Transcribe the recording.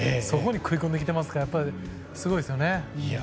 そこに食い込んできていますからやっぱりすごいですよね。